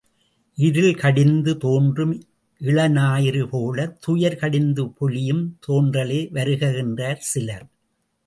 இருள் கடிந்து தோன்றும் இளஞாயிறு போலத் துயர் கடிந்து பொலியும் தோன்றலே வருக என்றார் சிலர்.